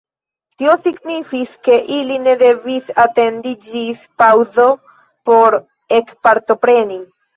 Tio signifis, ke ili ne devis atendi ĝis paŭzo por ekpartopreni.